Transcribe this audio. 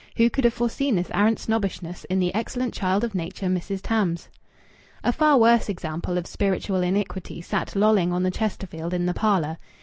Who could have foreseen this arrant snobbishness in the excellent child of nature, Mrs. Tams? A far worse example of spiritual iniquity sat lolling on the Chesterfield in the parlour.